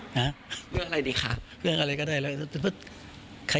เห้ยเลือกอะไรอะพี่ปู